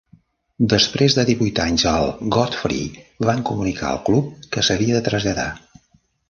Després de divuit anys al Godfrey, van comunicar al club que s'havia de traslladar.